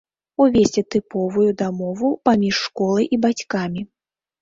Увесці тыпавую дамову паміж школай і бацькамі.